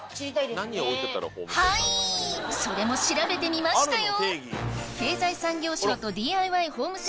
はいそれも調べてみましたよ